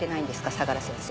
相良先生は。